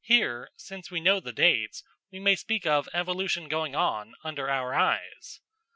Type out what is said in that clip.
Here, since we know the dates, we may speak of evolution going on under our eyes.